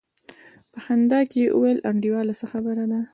په خندا يې وويل انډيواله څه خبره ده.